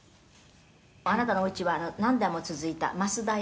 「あなたのおうちは何代も続いた増田屋？」